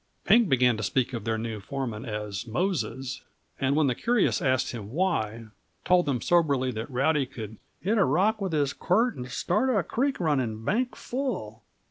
Pink began to speak of their new foreman as "Moses"; and when the curious asked him why, told them soberly that Rowdy could "hit a rock with his quirt and start a creek running bank full."